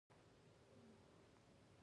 توپک د انسان فکرونه وژني.